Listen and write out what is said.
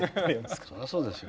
そりゃそうですよ。